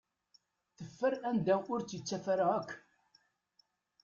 Yeffer anda ur t-ttafen ara akk.